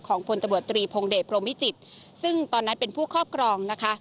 พลตำรวจตรีพงเดชพรมวิจิตซึ่งตอนนั้นเป็นผู้ครอบครองนะคะ